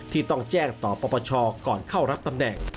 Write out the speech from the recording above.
ที่ต้องแจ้งต่อปปชก่อนเข้ารับตำแหน่ง